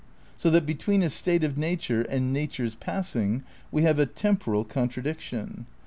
So that between a state of nature and nature 's pass ing we have a temporal contradiction.